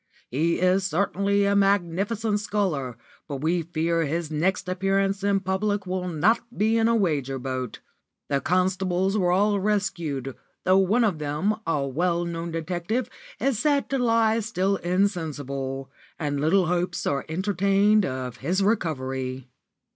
He is certainly a magnificent sculler, but we fear his next appearance in public will not be in a wager boat. The constables were all rescued, though one of them, a well known detective, is said to lie still insensible, and little hopes are entertained of his recovery."